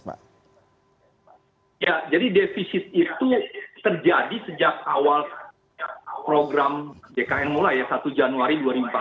jadi defisit itu terjadi sejak awal program bkn mulai satu januari dua ribu empat belas